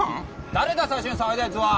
誰だ最初に騒いだやつは。